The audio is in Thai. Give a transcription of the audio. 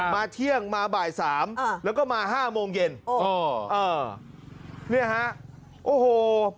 มาเที่ยงมาบ่าย๓แล้วก็มา๕โมงเย็นนี่ฮะโอ้โห